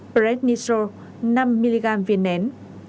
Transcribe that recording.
prednisol năm mg viên nén